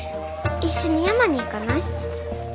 一緒に山に行かない？